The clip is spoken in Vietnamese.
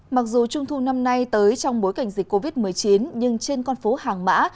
mặc dù trung thu năm nay tới trong bối cảnh dịch covid một mươi chín nhưng trên con phố hàng mã